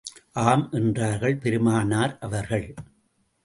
ஆம் என்றார்கள் பெருமானார் அவர்கள்.